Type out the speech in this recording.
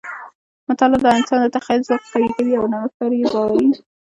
مطالعه د انسان د تخیل ځواک قوي کوي او نوښتګر یې باروي.